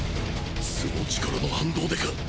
素の力の反動でか？